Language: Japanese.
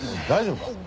大丈夫か？